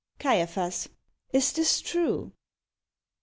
CAIAPHAS. Is this true?